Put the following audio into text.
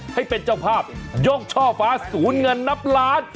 ให้เป็นเจ้าภาพยกช่อฟ้าศูนย์เงินนับล้าน